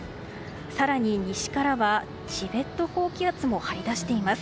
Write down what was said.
更に、西からはチベット高気圧も張り出しています。